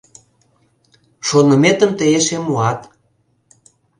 Шоныметым тый эше муат.